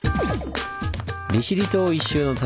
利尻島一周の旅